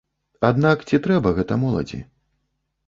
Аднак ці трэба гэта моладзі?